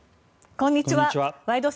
こんにちは。